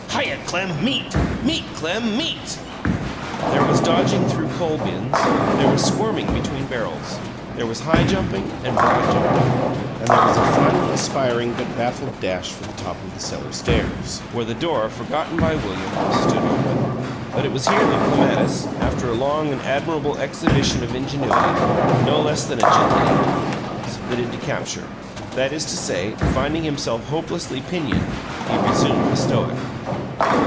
Hyuh, Clem! Meat, Clem, meat " There was dodging through coal bins; there was squirming between barrels; there was high jumping and broad jumping, and there was a final aspiring but baffled dash for the top of the cellar stairs, where the door, forgotten by William, stood open. But it was here that Clematis, after a long and admirable exhibition of ingenuity, no less than agility, submitted to capture. That is to say, finding himself hopelessly pinioned, he resumed the stoic.